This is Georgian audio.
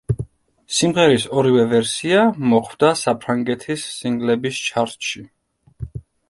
სიმღერის ორივე ვერსია მოხვდა საფრანგეთის სინგლების ჩარტში.